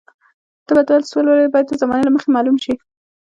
ته به درس ولولې باید د زمانې له مخې معلوم شي.